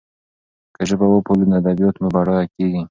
که ژبه وپالو نو ادبیات مو بډایه کېږي.